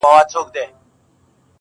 او له پاسه د ګیدړ په تماشې سو -